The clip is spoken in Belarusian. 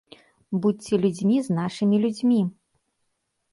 Будзьце людзьмі з нашымі людзьмі.